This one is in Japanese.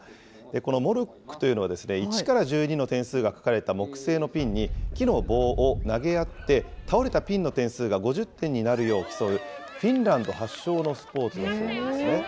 このモルックというのは、１から１２の点数が書かれた木製のピンに木の棒を投げ合って、倒れたピンの点数が５０点になるよう、競う、フィンランド発祥のスポーツなんだそうですね。